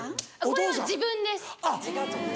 これは自分です自画像。